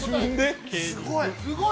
◆すごい！